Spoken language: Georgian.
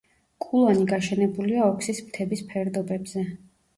კულანი გაშენებულია ოქსის მთების ფერდობებზე.